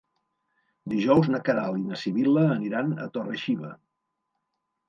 Dijous na Queralt i na Sibil·la aniran a Torre-xiva.